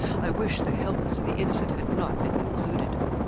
I wish the helpless and the innocent had not been included."